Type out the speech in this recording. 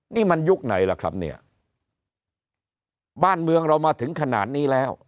นี่มันยุคไหนล่ะครับเนี่ยบ้านเมืองเรามาถึงขนาดนี้แล้ว